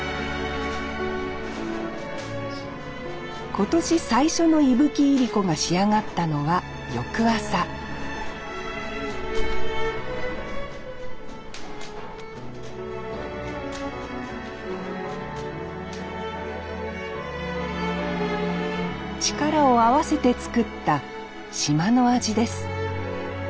今年最初の伊吹いりこが仕上がったのは翌朝力を合わせて作った島の味です